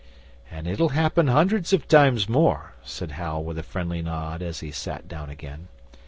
'And it'll happen hundreds of times more,' said Hal with a friendly nod as he sat down again.